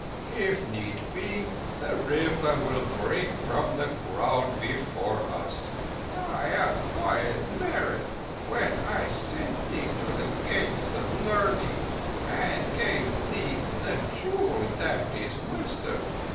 If need be, the River will break from the ground before us. I acquired merit when I sent thee to the Gates of Learning, and gave thee the jewel that is Wisdom.